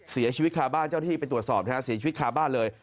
เสียชีวิตคาบ้านเจ้าที่ไปตรวจสอบนะฮะเสียชีวิตคาบ้านเลย